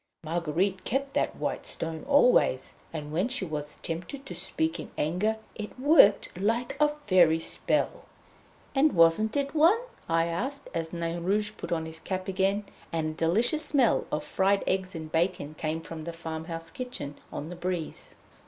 Marguerite kept that white stone always, and when she was tempted to speak in anger it worked like a Fairy spell." "And wasn't it one?" I asked, as Nain Rouge put on his cap again, and a delicious smell of fried eggs and bacon came from the farmhouse kitchen on the breeze.